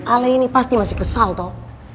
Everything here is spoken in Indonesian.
ale ini pasti masih kesal toh